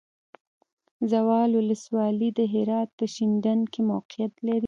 زاول ولسوالی د هرات په شینډنډ کې موقعیت لري.